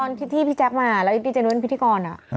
ก่อนพี่ที่พี่แจ๊กพี่มาแล้วอิ๊ฟตี้จะเล่นพี่ที่ก่อน